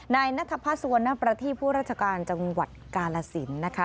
ในนัทพะสวนณประธิผู้ราชการจังหวัดกาลสินนะคะ